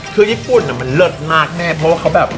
คือญี่ปุ่นแบบเลิกมากแน่แม่นเขาเป็นแบบ